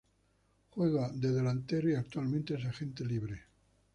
Juega de delantero y actualmente es agente libre.